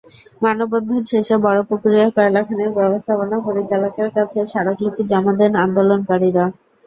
মানববন্ধন শেষে বড়পুকুরিয়া কয়লাখনির ব্যবস্থাপনা পরিচালকের কাছে স্মারকলিপি জমা দেন আন্দোলনকারীরা।